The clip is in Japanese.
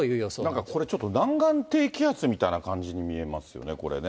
なんかこれ、ちょっと南岸低気圧みたいな感じに見えますよね、これね。